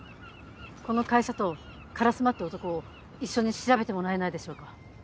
この会社と烏丸って男を一緒に調べてもらえないでしょうか？